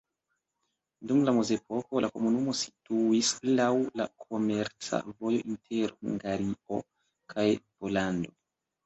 Dum la mezepoko la komunumo situis laŭ la komerca vojo inter Hungario kaj Pollando.